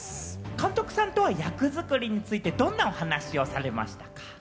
監督さんとは役作りについて、どんなお話をされました？